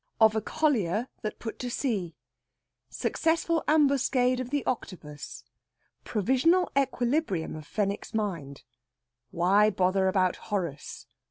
OF A COLLIER THAT PUT TO SEA. SUCCESSFUL AMBUSCADE OF THE OCTOPUS. PROVISIONAL EQUILIBRIUM OF FENWICK'S MIND. WHY BOTHER ABOUT HORACE?